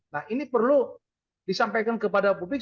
nah ini perlu disampaikan kepada publik